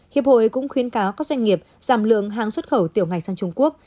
hiệp hội cũng khuyến cáo các doanh nghiệp giảm lượng hàng xuất khẩu tiểu ngạch sang trung quốc